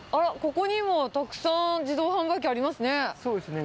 ここにもたくさん自動販売機ありますね。